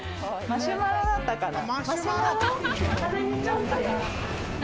マシュマロだったかな。